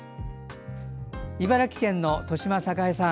茨城県の戸嶋栄さん。